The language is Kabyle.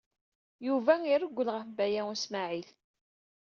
Yuba yella irewwel ɣef Baya U Smaɛil.